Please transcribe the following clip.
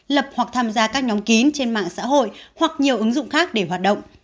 lập hoặc tham gia các nhóm kín trên mạng xã hội hoặc nhiều ứng dụng khác để hoạt động